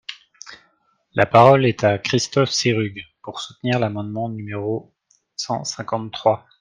La parole est à Monsieur Christophe Sirugue, pour soutenir l’amendement numéro cent cinquante-trois.